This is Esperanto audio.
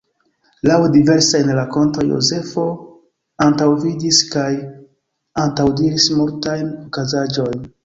Laŭ diversajn rakontoj Jozefo antaŭvidis kaj antaŭdiris multajn okazaĵojn.